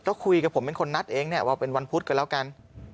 ก็คุยกับผมเป็นคนนัดเองเนี่ยว่าเป็นวันพุธกันแล้วกัน